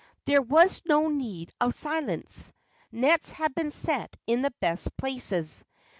There was no need of silence. Nets had been set in the best places.